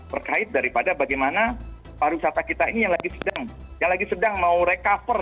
berkait daripada bagaimana pariwisata kita ini yang lagi sedang mau recover